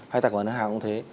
hay tài khoản ngân hàng cũng thế